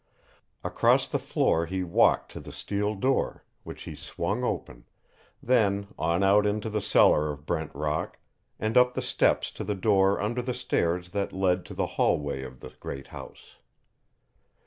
Across the floor he walked to the steel door, which he swung open, then on out into the cellar of Brent Rock and up the steps to the door under the stairs that led to the hallway of the great house.